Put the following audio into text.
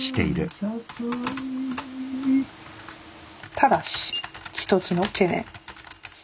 ただし１つの懸念。